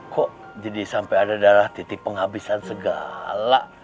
kok jadi sampai ada darah titik penghabisan segala